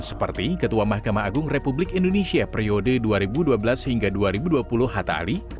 seperti ketua mahkamah agung republik indonesia periode dua ribu dua belas hingga dua ribu dua puluh hatta ali